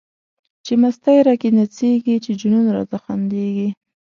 چی مستی را کی نڅیږی، چی جنون راته خندیږی